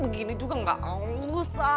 begini juga gak usah